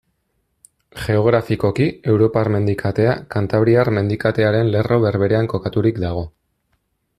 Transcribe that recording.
Geografikoki, Europar mendikatea, Kantabriar Mendikatearen lerro berberean kokaturik dago.